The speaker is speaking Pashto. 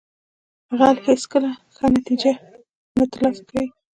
غل هیڅکله ښه نتیجه نه ترلاسه کوي